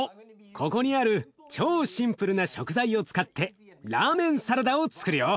ここにある超シンプルな食材を使ってラーメンサラダをつくるよ。